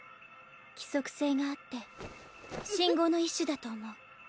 規則性があって信号の一種だと思う。